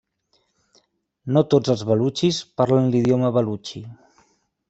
No tots els balutxis parlen l'idioma balutxi.